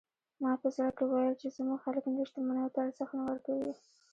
ما په زړه کې ویل چې زموږ خلک ملي شتمنیو ته ارزښت نه ورکوي.